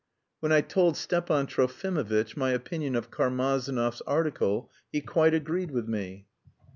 When I told Stepan Trofimovitch my opinion of Karmazinov's article he quite agreed with me.